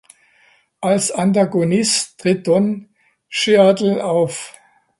Als Antagonist tritt Don Cheadle auf.